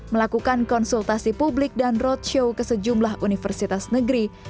melakukan konsultasi publik dan roadshow ke sejumlah universitas negeri